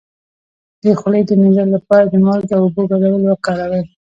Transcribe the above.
د خولې د مینځلو لپاره د مالګې او اوبو ګډول وکاروئ